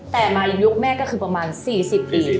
แต่มาในยุคแม่ก็คือประมาณ๔๐ปี